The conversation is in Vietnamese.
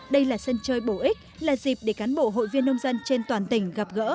đây là sân chơi bổ ích là dịp để cán bộ hội viên nông dân trên toàn tỉnh gặp gỡ